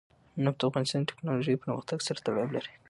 نفت د افغانستان د تکنالوژۍ پرمختګ سره تړاو لري.